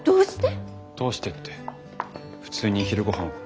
どうしてって普通に昼ごはんを。